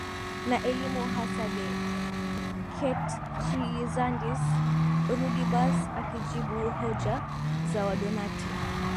na elimu hasa De Catechizandis Rudibus Akijibu hoja za Wadonati